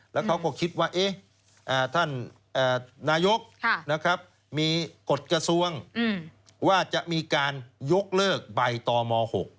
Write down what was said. แล้วเขาก็คิดว่าท่านนายกมีกฎกระทรวงว่าจะมีการยกเลิกใบตม๖